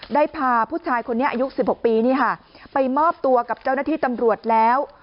ได้พาผู้ชายคนนี้อายุ๑๖ปีไปมอบตัวกับเจ้าหน้าที่ตำรวจแล้ว